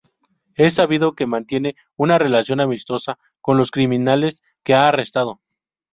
Es sabido que mantiene una relación amistosa con los criminales que ha arrestado.